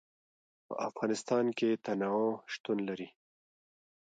په افغانستان کې تنوع شتون لري.